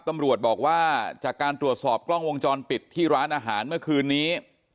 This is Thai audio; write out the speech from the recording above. ตำรวจบอกว่าจากการตรวจสอบกล้องวงจรปิดที่ร้านอาหารเมื่อคืนนี้